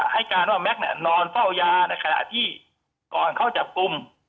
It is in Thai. ให้การว่าแม็กซ์นอนเฝ้ายาในขณะที่ก่อนเข้าจับกลุ่ม